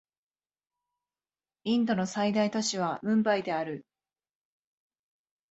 インドの最大都市はムンバイである